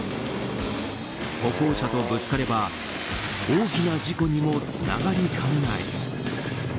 歩行者とぶつかれば大きな事故にもつながりかねない。